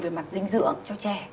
về mặt dinh dưỡng cho trẻ